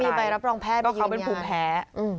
ก็มีไฟลับรองแพทย์ไปยืนยาน